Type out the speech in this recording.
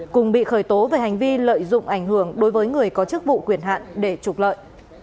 cùng bị khởi tố về hành vi lợi dụng ảnh hưởng đối với người có chức vụ quyền hạn để trục lợi